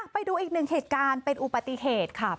ไปดูอีกหนึ่งเหตุการณ์เป็นอุปติเหตุค่ะ